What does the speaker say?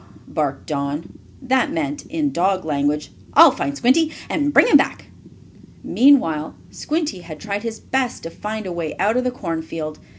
barked Don. That meant, in dog language, "I'll find Squinty and bring him back." Meanwhile Squinty had tried his best to find a way out of the cornfield.